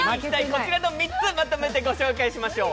こちらの３つ、まとめてご紹介しましょう。